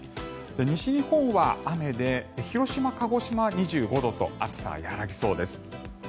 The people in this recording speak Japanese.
西日本は雨で広島、鹿児島は２５度と暑さは和らぎそうです。